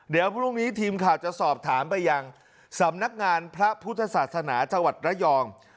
เดี๋ยวพรุ่งนี้ทีมข่าวจะสอบถามไปยังสำนักงานพระพุทธศาสนาจังหวัดระยอง